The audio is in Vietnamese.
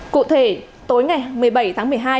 cụ thể tối ngày một mươi bảy tháng một mươi hai